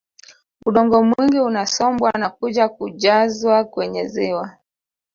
Udongo mwingi unasombwa na kuja kujazwa kwenye ziwa